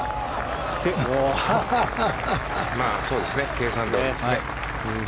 計算どおりですね。